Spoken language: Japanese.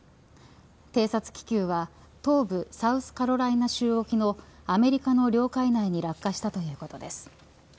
偵察気球は東部サウスカロライナ州沖のアメリカの領海内に落下したということです。